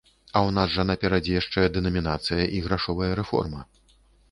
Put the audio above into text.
А ў нас жа наперадзе яшчэ дэнамінацыя і грашовая рэформа.